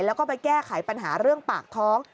แล้วก็ไปแก้ไขปัญหาเรื่องปากท้อง